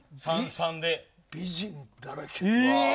美人だらけ。